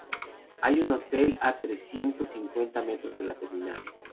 Hay un hotel a trescientos cincuenta metros de la terminal.